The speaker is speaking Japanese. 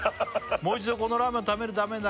「もう一度このラーメンを食べるためだけに」